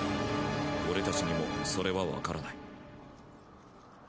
俺たちにもそれはわからない。